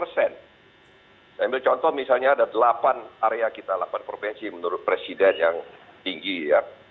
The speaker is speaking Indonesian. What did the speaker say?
saya ambil contoh misalnya ada delapan area kita delapan provinsi menurut presiden yang tinggi ya